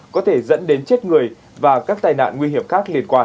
có thể dẫn đến chết người và các tai nạn nguy hiểm khác liên quan